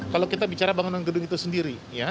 kalau kita bicara bangunan gedung itu sendiri